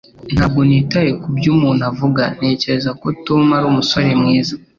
Ntabwo nitaye kubyo umuntu avuga. Ntekereza ko Tom ari umusore mwiza.